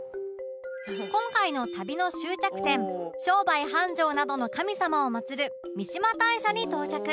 今回の旅の終着点商売繁盛などの神様を祭る三嶋大社に到着